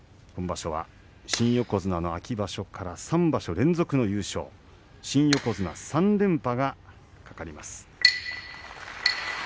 新横綱の秋場所から３場所連続の優勝新横綱３連覇が懸かります。